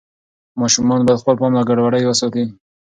ماشومان باید خپل پام له ګډوډۍ وساتي.